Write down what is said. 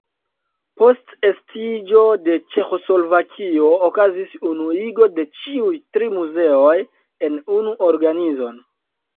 Post estiĝo de Ĉeĥoslovakio okazis unuigo de ĉiuj tri muzeoj en unu organizon.